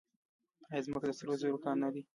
آیا ځمکه د سرو زرو کان نه دی؟